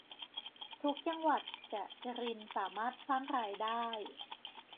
ทุกจังหวัดจะจริญสามารถสร้างรายได้